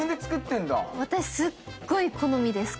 私すっごい好みです